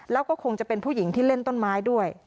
แล้วก็คงจะเป็นผู้หญิงที่เล่นต้นไม้ด้วย